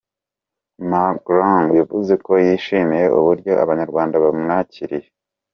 Mahlangu yavuze ko yishimiye uburyo Abanyarwanda bamwakiriye.